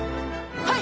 はい！